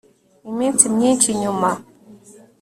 iminsi myinshi nyuma